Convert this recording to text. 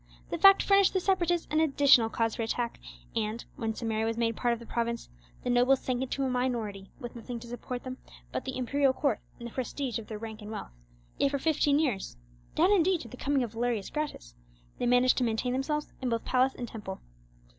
The fact furnished the Separatists an additional cause for attack; and, when Samaria was made part of the province, the nobles sank into a minority, with nothing to support them but the imperial court and the prestige of their rank and wealth; yet for fifteen years—down, indeed, to the coming of Valerius Gratus—they managed to maintain themselves in both palace and Temple.